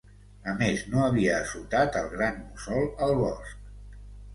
A més, no havia assotat el gran mussol al bosc.